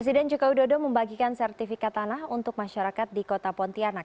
presiden jokowi dodo membagikan sertifikat tanah untuk masyarakat di kota pontianak